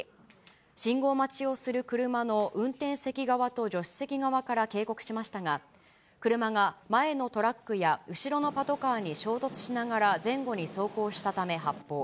信号待ちをする車の運転席側と助手席側から警告しましたが、車が前のトラックや後ろのパトカーに衝突しながら前後に走行したため発砲。